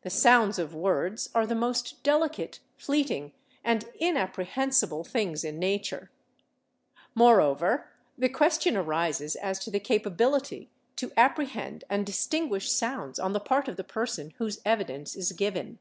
The sounds of words are the most delicate, fleeting and inapprehensible things in nature.... Moreover, the question arises as to the capability to apprehend and distinguish sounds on the part of the person whose evidence is given."